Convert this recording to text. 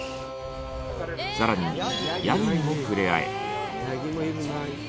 さらにヤギにも触れ合える。